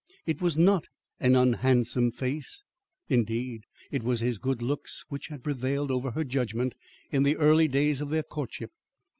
It was not an unhandsome face. Indeed, it was his good looks which had prevailed over her judgment in the early days of their courtship.